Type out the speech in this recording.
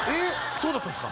そうだったんですか？